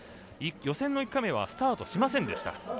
予選の１回目はスタートしませんでした。